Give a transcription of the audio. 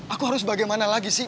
aku harus bagaimana lagi sih